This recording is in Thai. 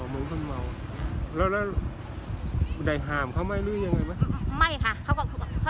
แล้วใดหาวเขาไม่รู้ยังไง